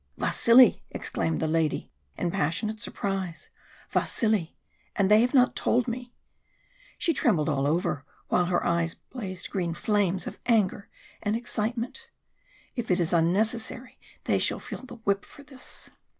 "Vasili!" exclaimed the lady, in passionate surprise. "Vasili! and they have not told me!" She trembled all over, while her eyes blazed green flames of anger and excitement. "If it is unnecessary they shall feel the whip for this."